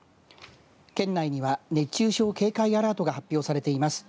県内には熱中症警戒アラートが発表されています。